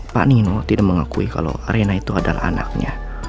pak nino tidak mengakui kalau arena itu adalah anaknya